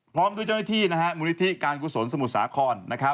พร้อมด้วยเจ้าหน้าที่มูลนิธิการกุศลสมุทรสาคร